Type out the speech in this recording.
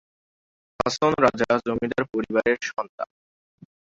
হাছন রাজা জমিদার পরিবারের সন্তান।